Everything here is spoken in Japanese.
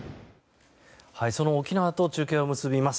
その沖縄と中継を結びます。